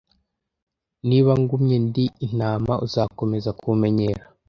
niba ngumye ndi intama uzakomeza kumenyera